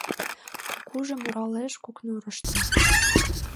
Кукужо муралеш Кукнурышто